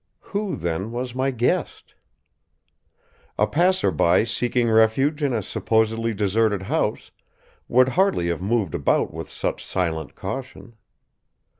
Who, then, was my guest? A passer by seeking refuge in a supposedly deserted house would hardly have moved about with such silent caution.